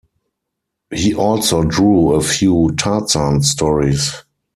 He also drew a few Tarzan stories.